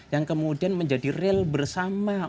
yang kemudian menjadi real bersama